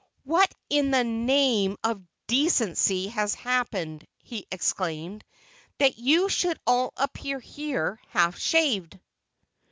"What in the name of decency has happened," he exclaimed, "that you should all appear here half shaved?"